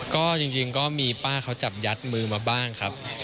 ก็จริงก็มีป้าเขาจับยัดมือมาบ้างครับ